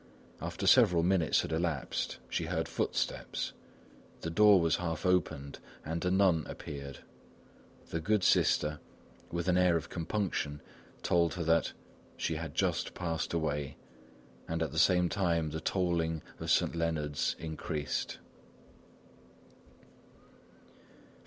After several minutes had elapsed, she heard footsteps, the door was half opened and a nun appeared. The good sister, with an air of compunction, told her that "she had just passed away." And at the same time the tolling of Saint Léonard's increased.